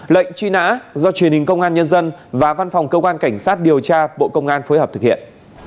lệnh truy nã do truyền hình công an nhân dân và văn phòng cơ quan cảnh sát điều tra bộ công an phối hợp thực hiện